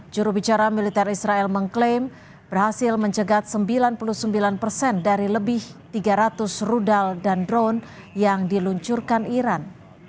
jurubicara militer israel mengklaim berhasil mencegat sembilan puluh sembilan persen dari lebih tiga ratus rudal dan drone yang diluncurkan iran